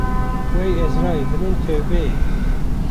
Wey Ezraîl li min tewbe ye